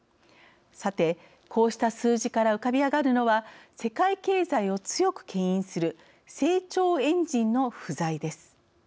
さてこうした数字から浮かび上がるのは世界経済を強くけん引する成長エンジンの不在です。